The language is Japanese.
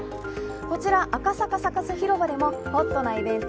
こちら赤坂サカス広場でもホットなイベント